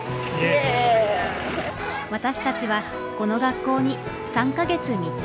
私たちはこの学校に３か月密着。